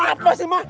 apa sih bang